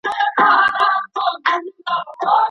د بریا منار یوازي مستحقو ته نه سي ښودل کېدلای.